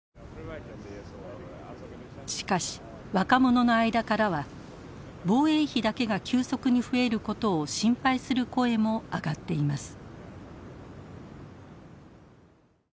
しかし若者の間からは防衛費だけが急速に増えることを心配する声も上がっています。